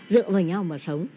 dựa vào nhau mà sống